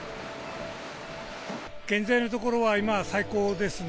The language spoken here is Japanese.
現在のところは今、最高ですね。